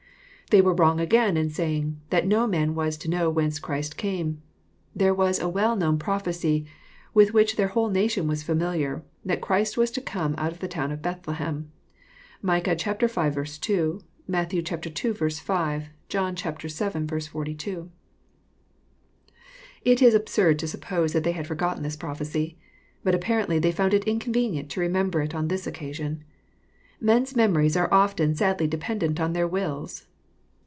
They were wrong again in saying " that no man was to know whence Christ came." There was a well known prophecy, with which their whole nation was familiar, that Christ was to come out of the town of Bethlehem. (Micah V. 2 ; Matt. ii. 5 ; John vii. 42.) It is absurd to suppose that they had forgotten this prophecy. But apparently they found it inconvenient to remember it on this oc casion. Men's memories are often sadly dependent on their wills.